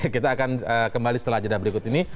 kita akan kembali setelah jeda berikut ini